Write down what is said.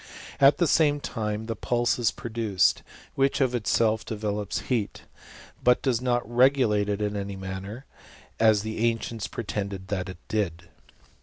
At the same time the pulaoi: " is produced, which of itself develops heat ; but do^ not regulate it in any manner, as the ancients prie tended that it did.